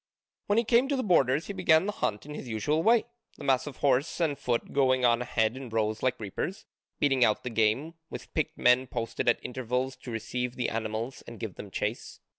When he came to the borders he began the hunt in his usual way, the mass of horse and foot going on ahead in rows like reapers, beating out the game, with picked men posted at intervals to receive the animals and give them chase.